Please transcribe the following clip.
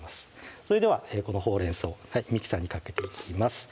それではこのほうれん草ミキサーにかけていきます